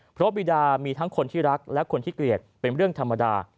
เพราะบีดามีทั้งคนที่รักและคนที่เกลียดเป็นเรื่องธรรมดา